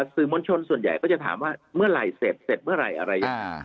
สื่อมนชนส่วนใหญ่ก็จะถามว่าเมื่อไหร่เสร็จเสร็จเมื่อไหร่อะไร